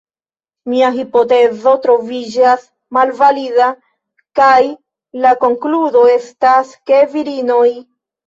Mia hipotezo troviĝas malvalida kaj la konkludo estas ke virinoj